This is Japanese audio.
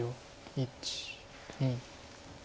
１２。